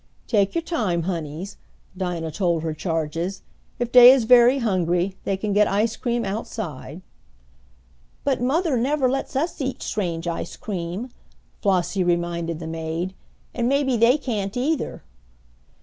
"Take you time, honeys," Dinah told her charges. "If dey is very hungry dey can get ice cream outside." "But mother never lets us eat strange ice cream," Flossie reminded the maid. "And maybe they can't either."